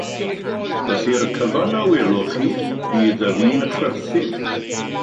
Felly'r cyfan a welwch chi fydd y fi'n chwerthin.